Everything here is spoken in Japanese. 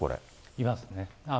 いますね。